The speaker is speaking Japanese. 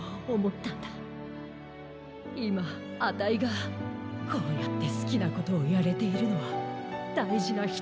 いまあたいがこうやってすきなことをやれているのはだいじなひとと。